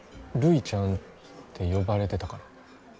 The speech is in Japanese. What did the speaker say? ルイちゃんって呼ばれてたから。